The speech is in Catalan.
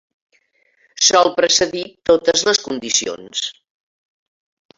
Sol precedir totes les condicions.